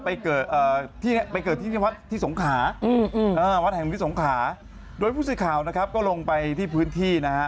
ไปเกิดที่วัดที่สงขาโดยผู้สิทธิ์ข่าวนะครับก็ลงไปที่พื้นที่นะฮะ